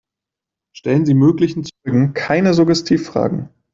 Stellen Sie möglichen Zeugen keine Suggestivfragen.